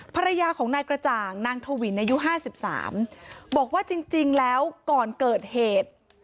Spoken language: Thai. ภรรยาของนายกระจ่างนางถวินอายุ๕๓บอกว่าจริงแล้วก่อนเกิดเหตุ